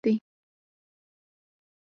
د ایکزیما د پوست سوزش دی.